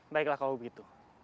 baiklah kalau begitu